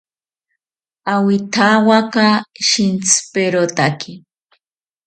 Awithawaka shintziperotaki